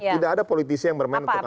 tidak ada politisi yang bermain untuk kalah